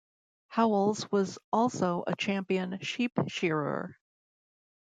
Howells was also a champion sheep shearer.